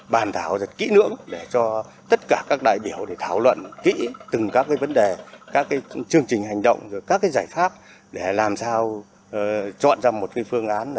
bàn thảo rất kỹ nưỡng để cho tất cả các đại biểu thảo luận kỹ từng các vấn đề các chương trình hành động các giải pháp để làm sao chọn ra một phương án